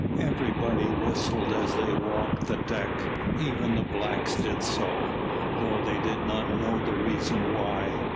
Everybody whistled as they walked the deck even the blacks did so though they did not know the reason why.